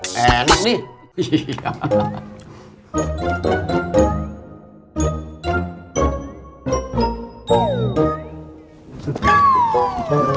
gim apa aja tepuan